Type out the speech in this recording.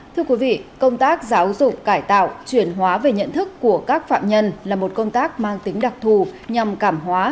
thưa quý vị công tác giáo dục cải tạo chuyển hóa về nhận thức của các phạm nhân là một công tác mang tính đặc thù nhằm cảm hóa